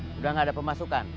sudah enggak ada pemasukan